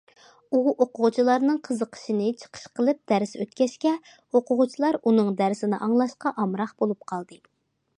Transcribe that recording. ئۇ ئوقۇغۇچىلارنىڭ قىزىقىشىنى چىقىش قىلىپ دەرس ئۆتكەچكە، ئوقۇغۇچىلار ئۇنىڭ دەرسىنى ئاڭلاشقا ئامراق بولۇپ قالدى.